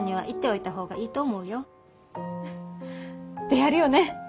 であるよね。